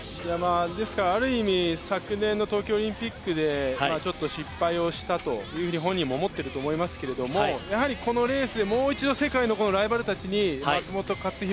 ある意味昨年の東京オリンピックでちょっと失敗をしたと本人も思っていると思いますけどやはりこのレースでもう一度世界のライバルたちに松元克央